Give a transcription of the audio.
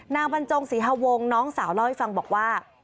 บรรจงศรีฮวงน้องสาวเล่าให้ฟังบอกว่า